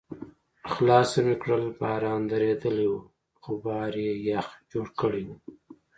خلاصه مې کړل، باران درېدلی و، خو بهر یې یخ جوړ کړی و.